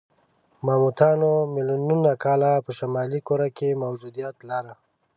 ماموتانو میلیونونه کاله په شمالي کره کې موجودیت لاره.